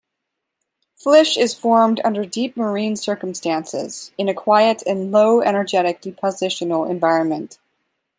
Flysch is formed under deep marine circumstances, in a quiet and low-energetic depositional environment.